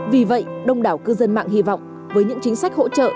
vì vậy đông đảo cư dân mạng hy vọng với những chính sách hỗ trợ